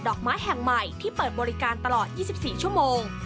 อกไม้แห่งใหม่ที่เปิดบริการตลอด๒๔ชั่วโมง